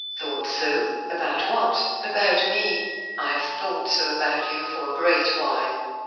"Thought so? about what?" "About me." "I have thought so about you for a great while."